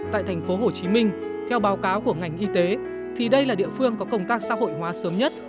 tại thành phố hồ chí minh theo báo cáo của ngành y tế thì đây là địa phương có công tác xã hội hóa sớm nhất